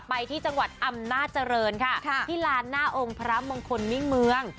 ไปที่จังหวัดอำนาจริงค่ะที่ลานหน้าองค์พระมงคลมิ่งเมือง